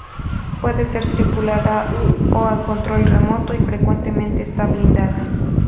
Puede ser tripulada o a control remoto, y frecuentemente está blindada.